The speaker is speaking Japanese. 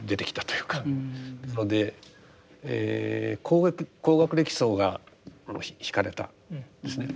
なので高学歴層が惹かれたんですね。